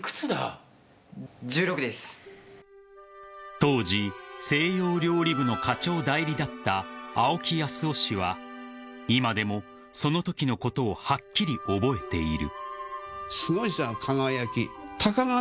［当時西洋料理部の課長代理だった青木靖男氏は今でもそのときのことをはっきり覚えている］